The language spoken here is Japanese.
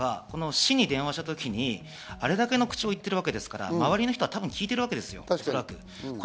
受け付けだったり、市に電話した時にあれだけの口調を言ってるわけですから、周りの人は多分聞いてるわけですよ。